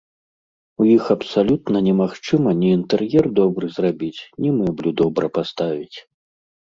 У іх абсалютна немагчыма ні інтэр'ер добры зрабіць, ні мэблю добра паставіць.